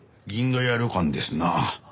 銀河屋旅館ですな。